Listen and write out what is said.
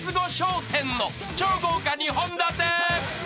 １０の超豪華２本立て］